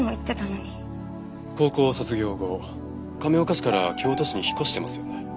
高校卒業後亀岡市から京都市に引っ越してますよね？